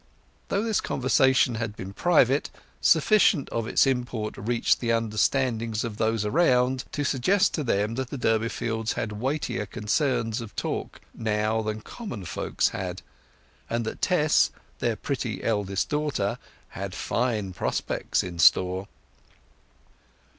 Though this conversation had been private, sufficient of its import reached the understandings of those around to suggest to them that the Durbeyfields had weightier concerns to talk of now than common folks had, and that Tess, their pretty eldest daughter, had fine prospects in store.